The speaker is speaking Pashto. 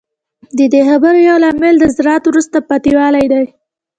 د دې خبرې یو لامل د زراعت وروسته پاتې والی دی